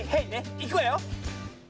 いくわよ！